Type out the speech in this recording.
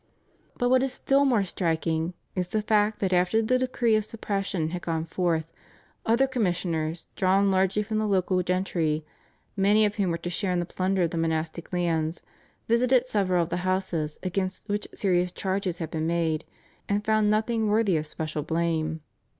But what is still more striking is the fact that after the decree of suppression had gone forth, other commissioners, drawn largely from the local gentry, many of whom were to share in the plunder of the monastic lands, visited several of the houses against which serious charges had been made, and found nothing worthy of special blame.